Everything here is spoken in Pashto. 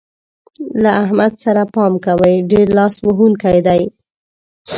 له احمد سره پام کوئ؛ ډېر لاس وهونکی دی.